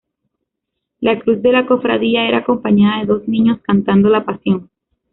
La cruz de la cofradía era acompañada de dos niños cantando la pasión.